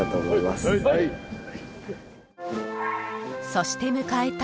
［そして迎えた］